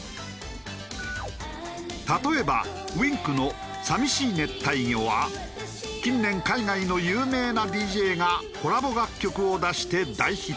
例えばＷｉｎｋの『淋しい熱帯魚』は近年海外の有名なＤＪがコラボ楽曲を出して大ヒット。